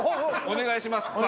お願いします。